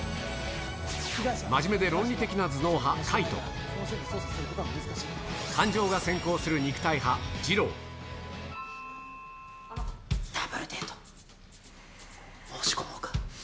真面目で論理的な頭脳派、快と、感情が先行する肉体派、ダブルデート、申し込もうか。